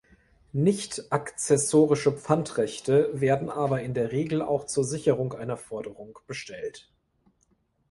Nicht-akzessorische Pfandrechte werden aber in der Regel auch zur Sicherung einer Forderung bestellt.